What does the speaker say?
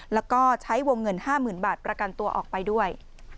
แล้วก็ใช้วงเงิน๕๐๐๐บาทประกันตัวออกไปด้วย